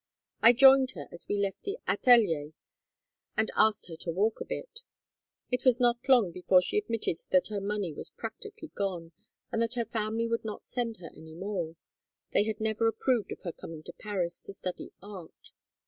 I joined her as we left the atelier, and asked her to walk a bit. It was not long before she admitted that her money was practically gone, and that her family would not send her any more; they had never approved of her coming to Paris to study art.